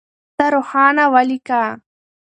ته روښانه وليکه.